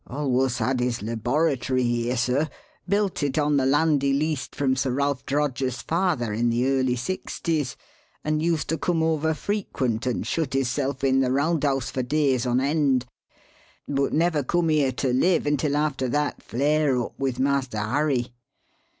Alwuss had his laboratory here, sir built it on the land he leased from Sir Ralph Droger's father in the early sixties and used to come over frequent and shut hisself in the Round House for days on end; but never come here to live until after that flare up with Master Harry.